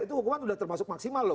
itu hukuman sudah termasuk maksimal loh